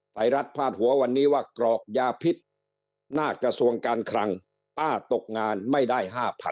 ไทยรัฐพาดหัววันนี้ว่ากรอกยาพิษหน้ากระทรวงการคลังป้าตกงานไม่ได้๕๐๐๐